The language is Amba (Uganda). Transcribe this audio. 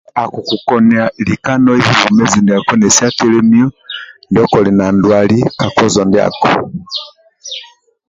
Akukukonia lika noibi bwomezi ndiako nesi atelemio ndio koli na ndwali ka kozo ndiako